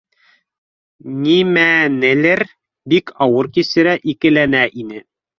Нимәнелер бик ауыр кисерә, икеләнә ине